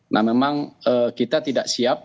nah memang kita tidak siap